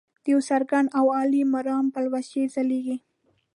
د یو څرګند او عالي مرام پلوشې ځلیږي.